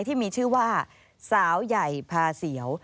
ที่มีชื่อว่าสาวใหญ่พาเสียว